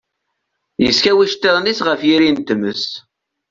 yeskaw iceṭṭiḍen-is ɣef yiri n tmes.